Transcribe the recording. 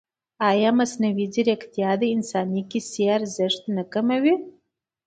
ایا مصنوعي ځیرکتیا د انساني کیسې ارزښت نه کموي؟